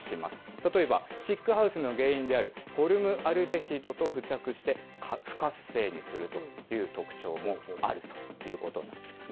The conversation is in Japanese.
例えば、シックハウスの原因であるホルムアルデヒドと付着して、不活性にするという特徴もあるということなんですね。